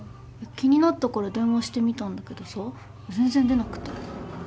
気になったから電話してみたんだけどさ全然出なくて。